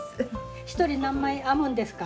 １人何枚編むんですか？